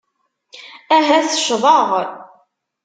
Ahat ccḍeɣ.